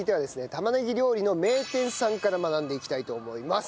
玉ねぎ料理の名店さんから学んでいきたいと思います。